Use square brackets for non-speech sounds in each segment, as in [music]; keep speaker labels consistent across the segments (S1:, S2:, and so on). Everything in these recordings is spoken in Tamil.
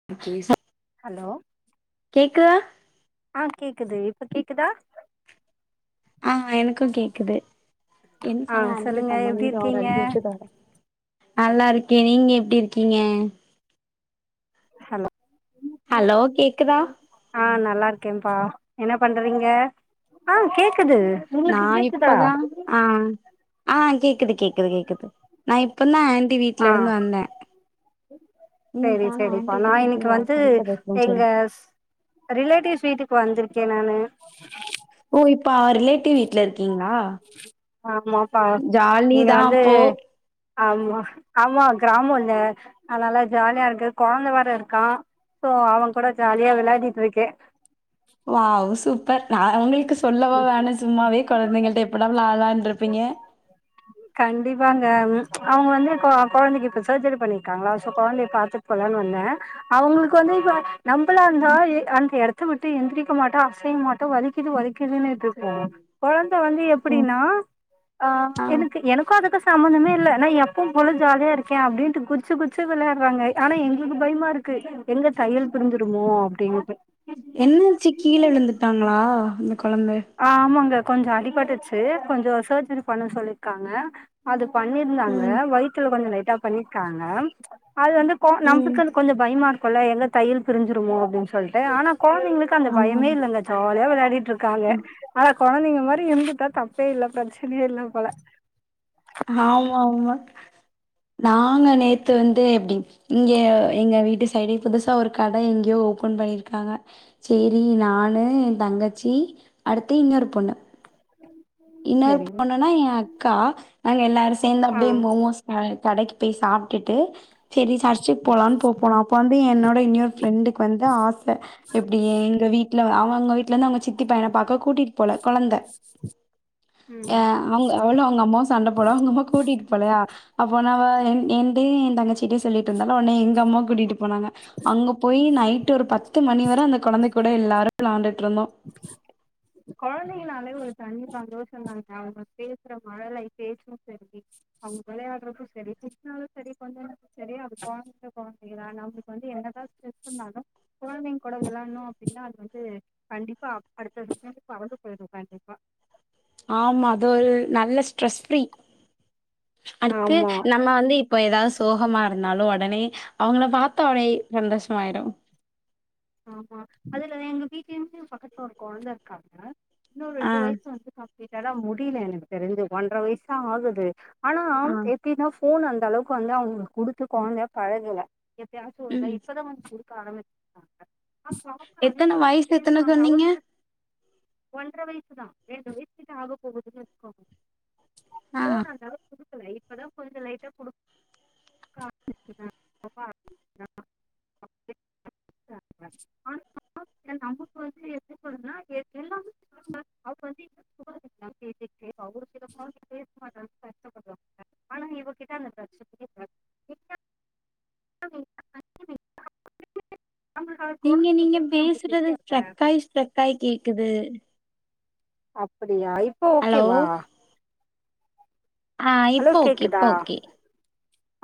S1: [inaudible]
S2: ஹலோ
S1: கேக்குதா?
S2: ஆ கேக்குது இப்ப கேக்குதா
S1: ஆ எனக்கு கேக்குது
S2: ஆ சொல்லுங்க எப்டி இருக்கீங்க
S1: நல்லா இருக்கே நீங்க எப்டி இருக்கீங்க
S2: ஹலோ
S1: ஹலோ கேக்குதா
S2: ஆ நல்லா இருக்கேன்ப்பா என்ன பண்றீங்க ஆ கேக்குது
S1: நா
S2: உங்களுக்கு கேக்குதா
S1: இப்பதா ஆ ஆ கேக்குது கேக்குது கேக்குது நா இப்ப தா ஆண்டி
S2: ஆ
S1: வீட்ல இருந்து வந்தே ம்
S2: சேரி
S1: நானு
S2: சேரிப்பா நா
S1: ஆண்டிட்ட
S2: இன்னக்கு வந்து
S1: கிட்ட பேசுறேன்னு
S2: எங்க
S1: சொல்லு
S2: ரிலேட்டிவ்ஸ் வீட்டுக்கு வந்துருக்கே நானு
S1: ஓ இப்ப ஆர் ரிலேட்டிவ் வீட்ல இருக்கீங்களா
S2: ஆமாப்பா
S1: ஜாலி
S2: நீங்க
S1: தா
S2: வந்து
S1: அப்போ
S2: ஆமா ஆமா கிராமோல்ல அதுனால ஜாலியா இருக்கு கொழந்த வேர இருக்கா சோ அவங் கூட ஜாலியா விளையாடிட் இருக்கே
S1: வாவ் சூப்பர் நா அவங்களுக்கு சொல்லவா வேணு சும்மாவே கொழந்தைங்கள்ட்ட எப்படா விளாலான்ருப்பீங்க
S2: கண்டிப்பாங்க அவங்க வந்து கொ கொழந்தைக்கி இப்ப சர்ஜரி பண்ணிருக்காங்களா சோ கொழந்தய பாத்து போலான் வந்தே அவங்களுக்கு வந்து இப்ப நம்பளா இருந்தா எ அந்த எடத்த விட்டு எந்திரிக்க மாட்டோ அசைய மாட்டோ வலிக்குது வலிக் கிதுன்ட்டுருப்போ கொழந்த வந்து
S1: ம்
S2: எப்பிடீனா அ
S1: ஆ
S2: எனக்கு எனக் கு அதுக்கு சம்மந்தமே இல்ல நா எப்பவு போல ஜாலியா இருக்கே அப்டின்ட்டு குச்சு குச்சு விளையாட்றாங்க ஆனா எங்களுக்கு பயமா இருக்கு எங்க தையல் பிரிஞ்சிறுமோ அப்டின்ட்டு
S1: என்னாச்சு கீழ விழுந்துட்டாங்களா அந்த கொழந்த
S2: ஆ ஆமாங்க கொஞ்சோ அடிபட்ருச்சு கொஞ்சோ சர்ஜரி பண்ண சொல்ருக்காங்க அது பண்ணிருந்தாங்க
S1: ம்
S2: வயித்துல கொஞ்சோ லைட்டா பண்ணிர்க்காங்க அது வந்து கோ
S1: ம்
S2: நம்மளுக்கு அது கொஞ்சோ பயமா இருக்குல்ல எங்க தையல் பிரிஞ்சிருமோ அப்டின் சொல்ட்டு ஆனா கொழ்ந்தைகளுக்கு அந்த
S1: ஆமா
S2: பயமே இல்லங்க ஜாலியா விளையாடிட்ருக்காங்க
S1: ம்
S2: ஆனா கொழந்தைங்க மாரி இருந்துட்டா தப்பே இல்ல பிரச்சனையே இல்ல போல
S1: ஆமா ஆமா நாங்க நேத்து வந்து எப்டி இங்க எங்க வீட்டு சைடே புதுசா ஒரு கட எங்கயோ ஓபன் பண்ணிருக்காங்க சேரி நானு எ தங்கச்சி அடுத்து இன்னோரு பொண்ணு
S2: உம்
S1: இன்னோரு பொண்ணுனா எ அக்கா நாங்க எல்லாரு சேந்து
S2: ஆ
S1: அப்டியே மோமோஸ் அ கடைக்கு போய் சாப்ட்டுட்டு சரி சர்ச்சுக்கு போலான்னு போபோனோ அப் அப்ப வந்து என்னோட இன்னையோரு ஃப்ரண்டுக்கு வந்து ஆச எப்டி எ எங்க வீட்ல அவங்க வீட்ல வந்து அவங்க சித்தி பையன பாக்க கூட்டிட் போல கொழந்த
S2: ம்
S1: அ அவங்க அவளு அவங்க அம்மாவு சண்ட போல அவங்க அம்மா கூட்டிட்டு போலயா அப்ப நா அவ என் என்டியு ஏ தங்கச்சிட்டியு சொல்லிட்ருந்தாலா ஒன்னே எங்கம்மா கூட்டிட்டு போனாங்க அங்க போயி நைட்டு ஒரு பத்து மணி வரை அந்த கொழந்தை கூட எல்லாரு வெள்ளாண்டுட்ருந்தோ
S2: கொழந்தைங்னாலே ஒரு தனி சந்தோஷோ தாங்க அவங்க பேசுற மழலை பேச்சு செரி அவுங்க வெளயாடுறது சரி திட்டினாலு செரி கொஞ்சினாலு செரி அது கொழந்தைக கொழந்தைகங்கதாங்க வந்து என்னதா ஸ்ட்ரஸ்சுனாலு கொழந்தைங்க கூட வெளயாட்ணு அப்டின்னா அது வந்து கண்டிப்பா அடுத்த நிமிஷோ வந்து பறந்து போயிடு கண்டிப்பா
S1: ஆமா அது ஒரு நல்ல ஸ்ட்ரெஸ் ஃப்ரீ அடுத்து
S2: ஆமா
S1: நம்ம வந்து இப்போ எதாது சோகமா இருந்தாலு ஒடனே அவங்கள பாத்தா அப்டே சந்தோஷமாயிரு
S2: ஆமா அதுல எங்க வீட்லேருந்து பக்கத்துல ஒரு கொழந்த இருக்காங்க இன்னு
S1: ஆ
S2: ரெண்டு வய்சு வந்து கிட்ட தா முடில எனக்கு தெரிஞ்சு ஒன்ற வய்சு தா ஆகுது ஆனா
S1: ஆ
S2: எப்டின்னா ஃபோனு அந்தளவுக்கு வந்து அவுங்குளுக்கு குடுத்து கொழந்த பழகுல எப்பயாச்சு ஒரு தர
S1: ம்
S2: இப்பதா வந்து குடுக்க ஆரம்பிச்
S1: எத்தன வய்சு எத்தன
S2: பேசுவாங்க
S1: சொன்னீங்க
S2: அவங்களுக்கு ஒன்ற வய்சு தா ரெண்டு வய்சு கிட்ட ஆக போகுதுன்னு வச்சிக்கோங்க
S1: ஆ
S2: ஃபோனு அந்தளவுக்கு குடுக்குல இப்பதா கொஞ்சோ லைட்டா குடுக்க [inaudible] அப்டே ஆ நமக்கு வந்து எப்டி சொல்றதுனா ஏ எல்லாமே அவுங்க வந்து பேசிட்டு அவரு சில
S1: உம்
S2: குழந்தை பேச மாட்டாங்க கஷ்டப்படுவாங்க ஆனா இவகிட்ட [inaudible] நம்மளுக்கு அவர்
S1: நீங்க
S2: குழந்தை
S1: நீங்க
S2: பேச நமக்கு
S1: பேசுறது
S2: தெரியாதுல
S1: ஸ்டக்காயி ஸ்டக்காயி கேக்குது
S2: அப்டியா இப்ப
S1: ஹலோ
S2: ஓகேவா
S1: ஆ இப்ப
S2: ஹலோ
S1: ஓகே இப்ப
S2: கேக்குதா
S1: ஓகே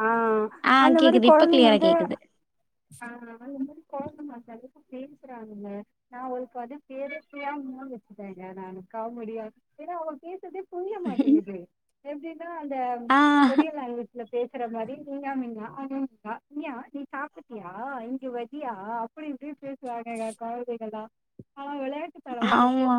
S2: ஆ
S1: ஆ
S2: அந்த மாரி
S1: கேக்குது இப்ப
S2: கொழந்தைங்க
S1: கிளியரா
S2: வந்து
S1: கேக்குது
S2: ஆ அந்த மாரி [unintelligible] மாட்டாங்க இப்ப பேசுறாங்க நா அவனுக்கு வந்து பேரே கியா [unintelligible] வச்சிட்டேங்க நானு காமெடியா ஏனா அவுங்க பேசற்தே புரிய மாட்டேங்குது எப்டினா அந்த
S1: ஆ
S2: கொரியன் லாங்குவேஜ்ல பேசுற மாரி இங்கா மிங்கா [unintelligible] யா நீ சாப்பிட்டியா இங்க வரியா அப்டி இப்டி பேசுவாங்கங்க கொழந்தைகளா தரவா இருக்கு
S1: ஆமா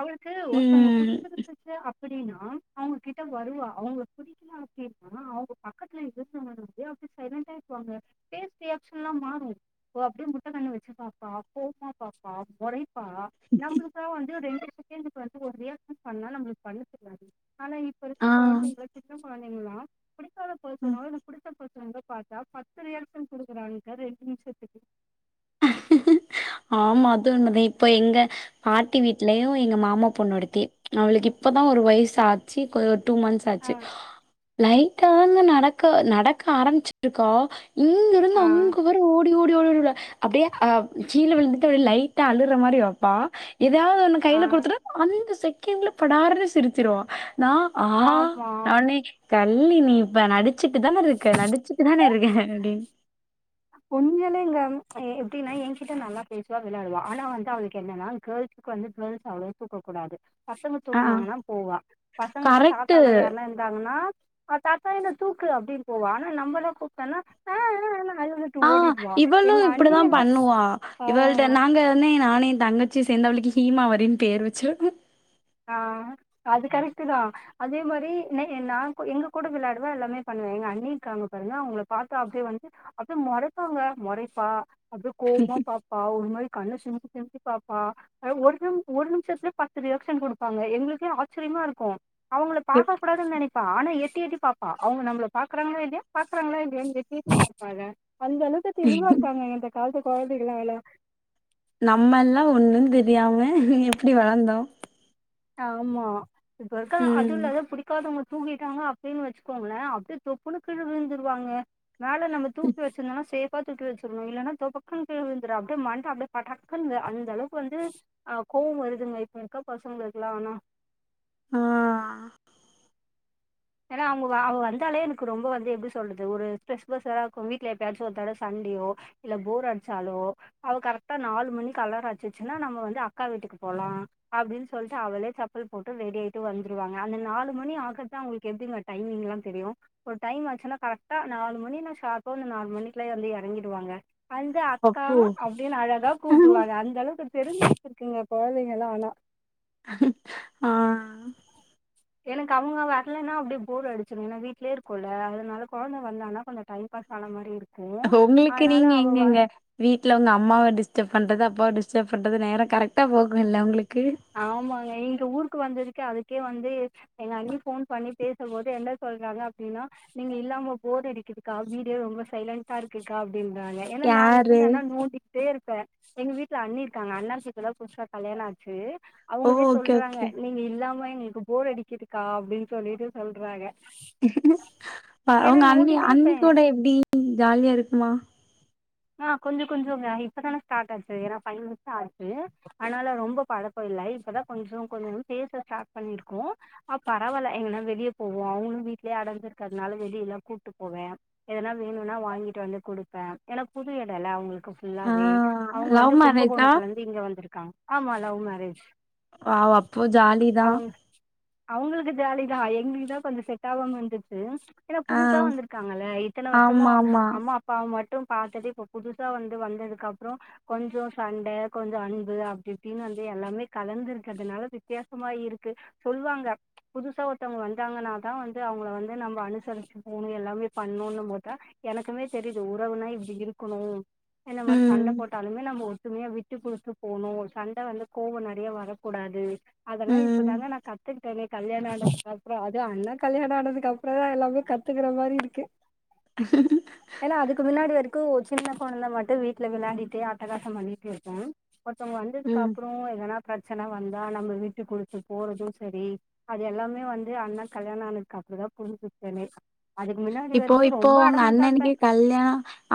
S2: அவளுக்கு ஒருத்தங்க
S1: ம்
S2: குடுத் [unintelligible] அப்டின்னா அவங்ககிட்ட வருவா அவங்க புடி [unintelligible] ன்னா அவங்க பக்கத்துல இருந்த [inaudible] அப்டே சைலண்ட்டா இருக்குவாங்க பே எப்பயாச்சு தா மாறு அப்போ அப்டியே முட்ட கண்ண வச்சு பாப்பா கோவமா பாப்பா மொறைப் பா நம்ளுக்குலா வந்து ரெண்டு செகண்டுக்கு வந்து ஒரு ரியாகஷன் பண்ணா நம்ளுக்கு பண்ண தெரியாது ஆனா இப்ப இருக்க
S1: ஆ
S2: கொழுந்தைங்கல சின்ன கொழந்தைங்கலா புடிக்காத பெர்சனோ
S1: ம்.
S2: இல்ல புடிச்ச பெர்சனோ பாத்தா பத்து ரியாகஷன் குடுக்குறாங்க ரெண்டு நிம்ஷத்துக்கு
S1: ஆமா அது உண்மதா இப்ப எங்க பாட்டி வீட்லயு எங்க மாமா பொண்ணு ஒருத்தி அவுளுக்கு இப்பதா ஒரு வய்சு ஆ ச்சி இப்ப டூ மந்த்ஸ் ஆச்சு ஆ லைட்டாதாங்க நடக் க நடக்க ஆரம்பிச்ட்ருக்கா இங்கருந்து
S2: ஆ
S1: அங்க வர ஓடு டி ஓடி ஓடி ஓடி [unintelligible] விளா அப்டே அ கீழ விழுந்துட்டு அப்டே லைட்டா அழுற மாரி வப்பா எதாது ஒன்னு
S2: ஆ
S1: கைல குடுத்துட்டா அந்த செகண்ட்ல படார்னு சிரிச்சிருவா நா ஆ
S2: ஆமா
S1: தா நீ கள்ளி நீ இப்ப நடி டிச்சுட்டு தான இருக்க நடிச்சுட்டு தான இருக்கே அப்டின்
S2: கொஞ்சியேலா இல்ல எ எப்டின்னா ஏங்கிட்ட நல்லா பேசுவா விளையாடுவா ஆனா வந்து அவளுக்கு என்னனா கேள் க்கு வந்து கேள்ஸ் அவள தூக்ககூடாது பசங்க
S1: ஆ
S2: தூக்கனாங்கனா போவா பசங்கெல்லா
S1: கரெக்ட்டு.
S2: தாத்தாலா யார்னா இருந்தாங்கனா தாத்தா என்ன தூக்கு அப்டினு போவா ஆனா நம்மெல்லா கூப்டோனா
S1: ஆ இவளு
S2: எங்க
S1: இப்டிதா
S2: அண்ணியெல்லா
S1: பண்ணுவா
S2: ஆ
S1: இவள்ட நாங்க வனே நானு ஏ தங்க ச்சி சேந்து ஹீமாவரினு பேர் வச்சுருக்கோ
S2: ஆ அது கரெக்டு தா அதே மாரி நே நான் எங்க கூட விளையாடுவே எல்லாமே பண்ணுவே எங்க அண்ணி காங்க பாருங்க அவங்கள பாத்தா அப்டியே வந்துட்டு அப்டியே மொறைபாங்க மொறைப்பா அப்டியே கோவமா பாப் பா ஒரு மாரி கண்ணு சிமிட்டி சிமிட்டி பாப்பா ஒரு நிமி ஒரு நிமிஷத்துலே பத்து ரியாக் ஷன் குடுப்பாங்க எங்களுகே ஆச்சரியமா இருக்கு அவங்கள
S1: எப்
S2: பாக்க கூடாதுனு நெனைப் ப்பா ஆனா எட்டி எட்டி பாப்பா அவுங்க நம்ள பாக்குறாங்களா இல்லையா பாக்குறாங்களா இல்லையானு எட்டி எட்டி பாப்பாங்க அந்த அளவுக்கு தெளிவா இருக்காங்க இந்த காலத்து கொழந்தைங்களால்ல
S1: நம்மெல்லா ஒண்ணுந்தெரியாம எப்டி வளந்தோ
S2: ஆமா இப்ப இருக்க அதுவு
S1: ம்
S2: இல்லாத புடி க்காதவங்க தூங்கிட்டாங்க அப்டின்னு வச்சுக்கோங்களே அப்டியே தொப்புனு கீழ விழுந்துருவாங்க மேல நம்ம தூக்கி வச்சிருந்தாலு சே ப்பா தூக்கி வச்சிடணு இல்லனா தொபக்குனு கீழ விழுந்துறா அப்டியே மண்ட அப்டியே படாக்குன்து அந்தளவுக்கு வந்து ஆ கோவம் வருதுங்க இப்போக்கா பசங்க இருக்கலா ஆனா
S1: ஆ
S2: ஏன்னா அவுங்க வ அவுங்க வந்தாலே எனக்கு ரொம்ப வந்து எப்டி சொல்றது ஒரு ஸ்ட்ரெஸ் பஸ்ரா இருக்கும் வீட்ல எப்பயாச்சு ஒருதடவ சண்டயோ இல்ல போர் அடுச்சாலோ அவ கரெக்டா நாலு மணிக்கு அலாரோ அடுச்சுச்சுனா நம்ம வந்து அக்கா வீட்டுக்கு போலா அப்டினு சொல்லிட்டு அவளே செப்பல் போட்டு ரெடி ஆயிட்டு வந்துருவாங்க அந்த நாலு மணி ஆக்கதா அவுங்களுக் எப்டிமா டைமிங்லா தெரியு ஒரு டைம் ஆச்சுன்னா கரெக்டா நாலு மணினா ஷார்ப்பா வந்து நாலு மணிக்குலயே வந்து எறங்கிடுவாங்க வந்து அக்கா
S1: அப்போ
S2: அப்டினு அழகா கூப்டுவாங்க அந்த அளவுக்கு தெரிஞ்சு வச்சிருக்குங்க கொழந்தங்களா ஆனா
S1: ஆ
S2: எனக்கு அவங்க வர்லன்னா அப்டியே போர் அடுச்சுடும்ன வீட்லே இருக்கோல அதனால கொழந்த வந்தானா கொஞ்ச டைம் பாஸ் ஆன மாரி இருக்
S1: உங்களுக்கு நீங்க எங்கங்க வீட்ல உங்க அம்மாவ டிஸ்டப் பண்ணுறது அப்பாவ டிஸ்டப் பண்ணுறது நேரோ கரெக்டாக போகணுல்ல உங்களுக்கு
S2: ஆமாங்க இங்க ஊருக்கு வந்ததுக்கு அதுக்கே வந்து எங்க அண்ணி போன் பண்ணி பேசும்போது என்ன சொல்றாங்க அப்டினா நீங்க இல்லாம போரடிக்குதுக்கா வீடே ரொம்ப சைலண்டா இருக்குக்கா அப்டின்றாங்க ஏனா நா
S1: யாரு
S2: இருந்தனா நோண்டி டேருப்ப எங்க வீட்ல அண்ணி இருக்காங்க அண்ணாக்கு இப்பதா புதுசா கல்யாண ஆச்சு
S1: ஓ
S2: அவுங்களே
S1: ஓகே
S2: சொல்றாங்க
S1: ஓகே
S2: நீங்க இல்லாம எங்களுக்கு போர் அடிக்கிதுக்கா அப்டினு சொல்லிட்டு சொல்றாங்க ஏன்னா
S1: அவுங்க அண்ணி
S2: நோண்டிட்டே
S1: அண்ணி
S2: இருப்பே
S1: கூட எப்டி ஜாலியா இருக்குமா
S2: ஆ கொஞ்ச கொஞ்சோங்க இப்பதானே ஸ்டாட் ஆச்சு ஏனா ஃபைவ் மன்த் தா ஆச்சு அதுனால ரொம்ப பழக்கோ இல்ல இப்பதா கொஞ்ச கொஞ்ச பேச ஸ்டார்ட் பண்ணிருக்கோ ஆ பரவால எங்கனா வெளிய போவோ அவுங்களு வீட்லே அடஞ்சிருக்கிறதுனால வெளியிலா கூட்டு போவே எதனா வேணுனா வாங்கிட்டு வந்து குடுப்பே ஏனா புது எடோல்ல அவுங்களுக்கு
S1: ஆ
S2: ஃபுல்லாவே அவுங்க
S1: லவ்
S2: வந்து
S1: மேரேஜா
S2: கும்பகோணத்துல இருந் இங்க வந்திருகாங்க ஆமா லவ் மேரேஜ்
S1: வாவ் அப்ப ஜாலி தா
S2: அவங்க அவங்களுக்கு ஜாலிதா எங்களுக்குதா கொஞ்ச செட் ஆவாம இருந்துச்சு ஏன்னா புதுசா வந்துருக்காங்கல்ல இத்தன வருஷமா
S1: ஆமா ஆமா
S2: அம்மா அப்பாவ மட்டும் பாத்துட்டு இப்ப புதுசா வந்து வந்ததுக்கப்றோ கொஞ்சோ சண்ட கொஞ்சோ அன்பு அப்டி இப்டின்னு வந்து எல்லாமே கலந்து இருக்கறதுனால வித்தியாசமா இருக்கு சொல்வாங்க புதுசா ஒருத்தவங்க வந்தாங்கன்னாதா வந்து அவங்கள வந்து நம்ப அனுசருச்சு போணு எல்லாமே பண்ணுன்னு போதா எனக்குமே தெரிது உறவுனா இ ப்டி இருக்குணு இந்த மாரி சண்ட
S1: ம்
S2: போட்டாலுமே நம்ம ஒத்துமயா விட்டு குடுத்து போனு சண்ட வந்து கோவ நெறையா வரக்கூடாது அதெல்லா
S1: ம்
S2: இப்பதாங்க நா கத் [unintelligible] கல்யாண ஆனதுக்கப்றோ அது அண்ண கல்யாண ஆனதுக்கப்றோதா எல்லாமே கத்துக்கற மாரி இருக்கு ஏன்னா அதுக்கு முன்னாடி வரு கு ஒரு சின்ன கொழந்த மட்டு வீட்ல வெளையாடிட்டு அட்டகாச பண்ணிட்டு இருக்கும் ஒருத்தவங்க
S1: ம்
S2: வந்ததுக்கப்றோ எதனா ப்ரச்சன வந்தா நம்ப விட்டு குடுத்து போறது சரி அது எல்லாமே வந்து அண்ண கல்யாண ஆனதுக்கப்றதா புரிஞ்சிக்கிட்டனே
S1: இப்போ இப்போ உங்க
S2: இருப்பே
S1: அண்ணனுக்கே கல்யா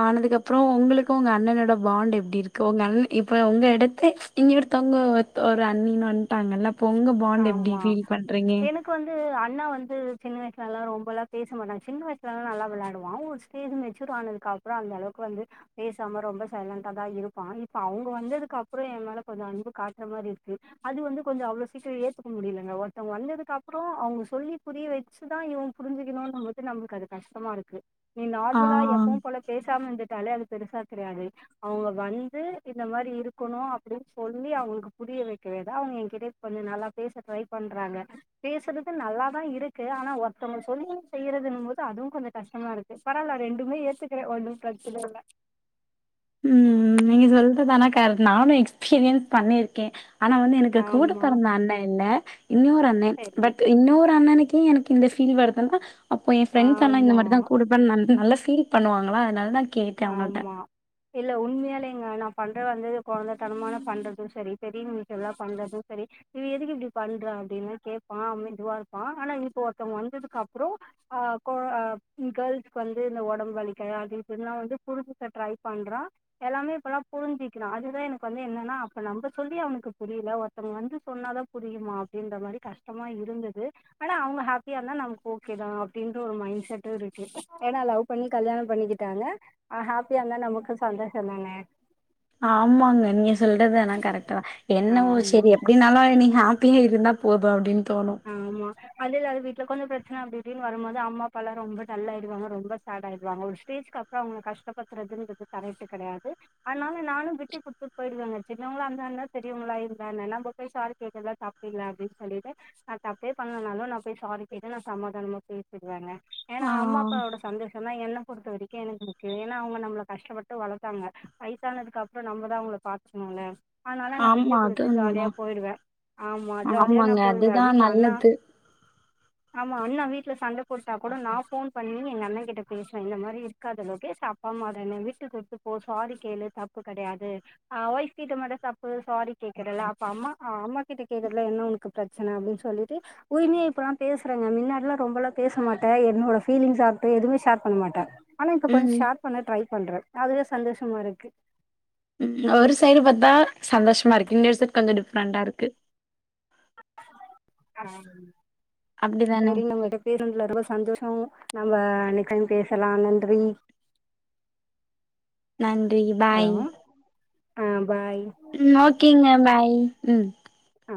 S1: ஆனதுக்கப்றோ உங்களுக்கு உங்க அண்ணனோட பாண்ட் எப்டி இருக்கு உங்க அண் இப்ப உங்க எடத்து இங்க ஒருத்தவங்க ஒத் ஒரு அண்ணின்னு வன்ட்டாங்கல்ல அப்ப உங்க பாண்ட் எப்டி
S2: ஆமா
S1: ஃபீல் பண்றீங்க
S2: எனக் க்கு வந்து அண்ண வந்து சின்ன வயஸ்லலா ரொம்பலா பேச மாட்டாங்க சின்ன வயஸ்லலா நல்லா வெளையாடுவா ஒரு [unintelligible] மெச்சூர் ஆனதுக்கப்றோ அந்த அளவுக்கு வந்து ரொம்ப சைலண்டாதா இருப்பா இப்ப அவுங்க வந்ததுக்கப்றோ எய மேல கொஞ்ச அன்பு காட்ற மாரி இர்க்கு அது வந்து கொஞ்ச அவ்ளஸ் க்கு ஏத்துக்க முடியலங்க ஒருத்தவங்க வந்ததுக்கப்றோ அவங்க சொல்லி புரிய வச்சுதா இவ புரிஞ்சுக்குணுன்னு போ து நம்ளுக்கு அது கஷ்டமாருக்கு நீ
S1: ஆ
S2: நார்மலா எப்பவு போல பேசாம இந்துட்டாலே அது பெருசா தெரியாது அவங்க வந்து இந்த மாரி இருக்கணு அப்புடின் சொல்லி அவங்களுக்கு புரிய வெக்கவேதா அவங்க எயகிட்ட கொஞ்ச நல்லா பேச ட்ரை பண்றாங்க பேசுறது நல்லாதா இருக்கு ஆனா ஒர்த்தவங்க சொல்லி செய்யுறதுங் போது அதுவு கொஞ்ச கஷ்டமாருக் பரால ரெண்டுமே ஏத்துக்குற ஒண்ணு பிரச்சன இல்ல
S1: ம் நீங்க சொல்றதானாக்கர நானு எக்ஸ்பீரியன் பண்ணிருக்க ஆனா வந்து எனக்கு கூட
S2: ஆமா
S1: பெறந்த அண்ண இல்ல இன்னொரு அண்ண ச்
S2: சரி
S1: பட் இன்னொரு அண்ணனுக்கு எனக் இந்த ஃபீல் வரதல்லா அப்போ எ ஃப்ரெண்ட்ஸ் அண்ணா இந்த
S2: ஆமா
S1: மாரிதா [unintelligible] நல்லா ஃபீல் பண்ணுவாங்களா அதனால நா கேட்டே அவங்கள்ட்ட
S2: ஆமா இல்ல உண்மையாலேங்க நா பண்ற வந்து கொழந்த தனமான பண்றது சரி சரின்னு மிச்செல்லா பண்றது சரி நீ எதுக்கு இப்டி பண்ற அப்டின்னு கேப்பா அம்மின் இதுவா இருப்பா ஆனா இப்ப ஒருத்தவங்க வந்ததுக்கப்றோ ஆ கோ அ ம் கேர்ள்ஸ்க் பண்றது இந்த ஒடம்பு வலிக்கு தா [unintelligible] து புருஞ்சுக்க ட்ரை பண்றா எல்லாமே இப்பல்லா புரிஞ்சிக்கிறா அதுதா எனக்கு வந்து என்னன்னா அப்ப நம்ப சொல்லி அவனுக்கு புரில ஒருத் ஒருத்தவங்க வந்து சொன்னாதா புரியுமா அப்டின்ற மாரி கஷ்டமா இருந்து ஆனா அவங்க ஹாப்பியா இருந்தா நமக்கு ஓகே தா அப்டின்ற ஒரு மைண்ட் செட்டு இருக்கு ஏன்னா பண்ணி கல்யாண பண்ணிக்கிட்டாங்க அவ ஹாப்பியா இருந்தா நமக்கு சந்தோஷ தானங்க
S1: ஆமாங்க நீங்க சொல்றதுனா கரெக்ட் தா என்னவோ
S2: ஆமா
S1: சரி எப்டின்னாலு நீங்க ஹப் இப்டியே இருந்தா போது அப்டின் தோணு
S2: ஆமா அதில்லாத வீட்ல கொஞ்ச பிரச்ன அப்டி இப்டின்னு வரும்மோது அம்மா அப்பா எல்லா ரொம்ப டல்லாயிடுவாங்க ரொம்ப சாடாயிடுவாங்க ஒரு ஸ்டேஜ்கப்றோ அவுங்கள கஷ்டப்படுத்துறதுன்றது கரெக்ட்டு கெடயாது ஆனால நானு விட்டு குட்த்து போயிடுவேங்க சின்னவங்ளா இருந்தா என்ன பெரியவங்ளா இருந்தா என்ன நம்ப போய் ஸாரி கேக்கெல்ல தப்பில்ல அப்டின் சொல்லிட்டு நா தப்பே பண்லனாலு நா போய் ஸாரி கேட்டு நா சமாதானமா போய் ருவேங்க ஏனா
S1: ஆ
S2: அம்மாப்பா ஓட சந்தோஷோ தா என்ன பொறுத்த வரை க்கு எனக்கு முக்கியோ ஏனா அவுங்க நம்ள கஷ்டப்பட்டு வளத்தாங்க வய்சானதுக்கப்றோ நம்ப தா அவுங்கள பாத்துக்ணுல ஆனால நா
S1: ஆமா
S2: விட்டு
S1: அது
S2: குடுத்து ஜாலியா
S1: உண்மதான்.
S2: போயிடுவே ஆமா ஜாலியா நா
S1: ஆமாங்க
S2: போயிருவே விட்
S1: அதுதான் [inaudible]
S2: ஆமா அண்ணா வீட்ல சண்ட போட்டா கூட நா ஃபோன் பண்ணி எங்கண்ணே கிட்ட பேசுவே இந்த மாரி இருக்காத லோகேஷ் அ ப்பாம்மா தானே விட்டு குடுத்து போ ஸாரி கேளு தப்பு கெடயாது ஆ ஒய்ஃப் கிட்ட மட்டு தப்பு சாரி கேக்கறல அப்ப அம்மா அம்மா கிட்ட கேக்கறதுல என்ன ஒனக்கு பிரச்சன அப்டின் சொல்லிட்டு உரிமயா இப்பல்லா பேசுறங்கே மின்னாடில்லா ரொம்பலா பேச மாட்டே என்னோட ஃபீலிங்ஸாகட்டு எதுமே ஷேர் பண்ண மாட்டே ஆனா இப்ப கொஞ்சோ
S1: ம்
S2: ஷேர் பண்ண ட்ரை பண்றே அதுவே சந்தோஷமாருக்கு
S1: ம் ஒரு சைடு பாத்தா சந்தோஷமா இருக்கு இன்னொரு சைடு கொஞ்சோ டிஃப்ரெண்டாருக்கு அப்டிதானே
S2: செரி [unintelligible] விடு பேருந்துல ரொம்ப சந்தோஷோ நம்ம அன்னைக்கன் பேசலா நன்றி
S1: நன்றி
S2: ஹலோ
S1: பாய்
S2: ஆ பாய்
S1: ம் ஓகேங்க பாய் ம்
S2: ஆ